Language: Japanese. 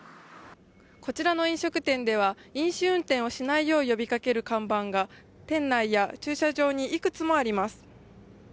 こちらの飲食店では飲酒運転をしないよう呼びかける看板が店内や駐車場にいくつもあります。